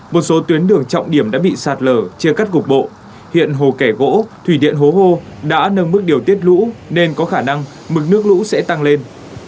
một số tuyến đường trọng điểm đã bị sạt lở chia cắt cục bộ hiện hồ kẻ gỗ thủy điện hố hô đã nâng mức điều tiết lũ nên có khả năng mực nước lũ sẽ tăng lên